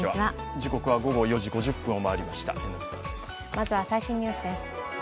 まずは最新ニュースです。